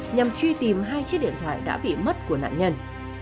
nhằm truy tìm hai chiếc điện thoại đã bị mất của nạn nhân